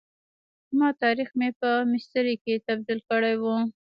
ما تاریخ مې په میسترې کي تبد یل کړی وو.